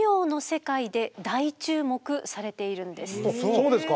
そうですか。